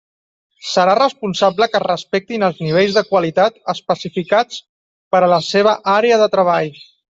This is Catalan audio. Serà responsable que es respectin els nivells de qualitat especificats per a la seva àrea de treball.